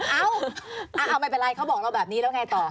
เอาไม่เป็นไรเขาบอกเราแบบนี้แล้วไงต่อ